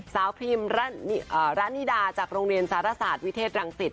สาวพิมพ์ร้านนิดาจากโรงเรียนศาสตร์ศาสตร์วิเทศรังศิษย์